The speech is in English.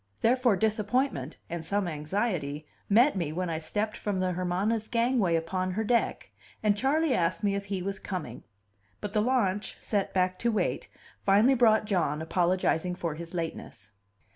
Therefore, disappointment and some anxiety met me when I stepped from the Hermana's gangway upon her deck, and Charley asked me if he was coming. But the launch, sent back to wait, finally brought John, apologizing for his lateness.